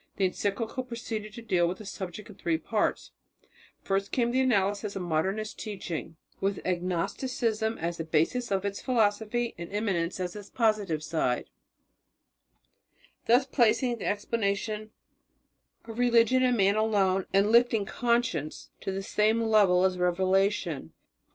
The encyclical proceeded to deal with the subject in three parts, First came the analysis of Modernist teaching, with agnosticism as the basis of its philosophy and immanence as its positive side, thus placing the explanation of religion in man alone, and lifting conscience to the same level as revelation.